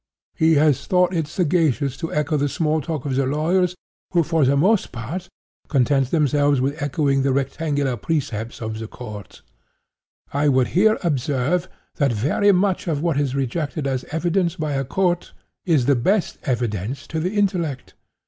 He has thought it sagacious to echo the small talk of the lawyers, who, for the most part, content themselves with echoing the rectangular precepts of the courts. I would here observe that very much of what is rejected as evidence by a court, is the best of evidence to the intellect.